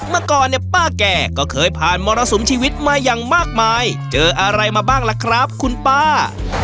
เมื่อก่อนเนี่ยป้าแก่ก็เคยผ่านมรสุมชีวิตมาอย่างมากมายเจออะไรมาบ้างล่ะครับคุณป้า